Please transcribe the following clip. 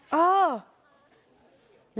เห้ย